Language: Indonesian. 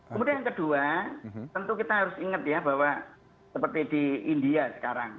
kemudian yang kedua tentu kita harus ingat ya bahwa seperti di india sekarang